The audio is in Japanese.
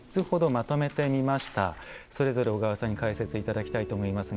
それぞれ小川さんに解説頂きたいと思いますが。